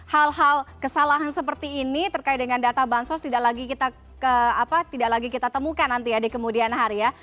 hal hal kesalahan seperti ini terkait dengan data bansos tidak lagi kita ke apa tidak lagi kita temukan nanti ya di kemudian hari ya